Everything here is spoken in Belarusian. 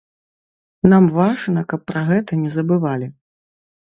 Нам важна, каб пра гэта не забывалі.